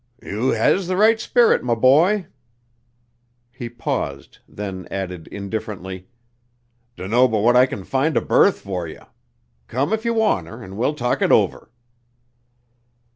"You has the right spirit, m' boy." He paused, then added indifferently, "Dunno but what I can find a berth fer you. Come if ye wanter, an' we'll talk it over."